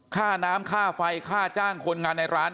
ค่าน้ำค่าไฟค่าจ้างคนงานในร้าน